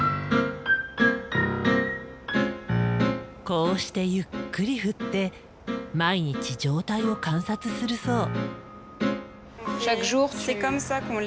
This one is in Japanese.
こうしてゆっくり振って毎日状態を観察するそう。